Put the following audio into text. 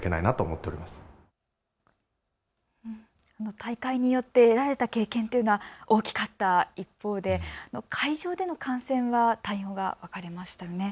大会によって得られた経験というのは大きかった一方で会場での感染は対応が分かれましたよね。